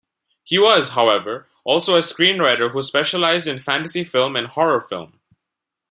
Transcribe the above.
He was, however, also a screenwriter who specialized in fantasy film and horror film.